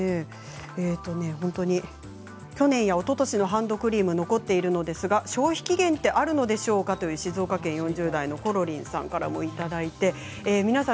去年やおととしのハンドクリームが残っているのですが消費期限はあるのでしょうか？という静岡県４０代の方からもいただいていて皆さん